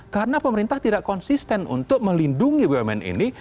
karena pemerintah tidak konsisten untuk melindungi bbm ini